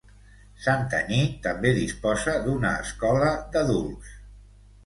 Santanyí també disposa d'una escola d'adults.